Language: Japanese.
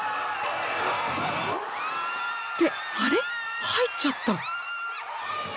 あれ⁉入っちゃった！